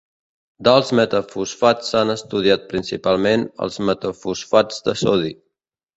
Dels metafosfats s'han estudiat principalment els metafosfats de sodi.